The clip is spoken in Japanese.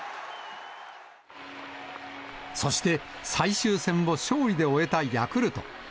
そして、最終戦を勝利で終えたヤクルト。